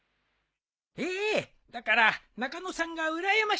ええだから中野さんがうらやましいですよ。